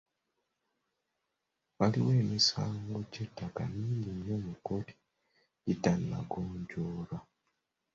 Waliwo emisango gy'ettaka mingi nnyo mu kkooti egitannagonjoolwa.